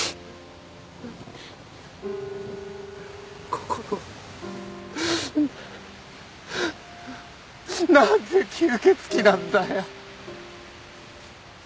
こころなんで吸血鬼なんだよ！